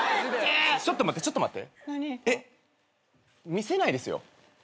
見せないですよ。